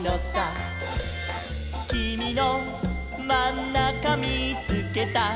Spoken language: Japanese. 「きみのまんなかみーつけた」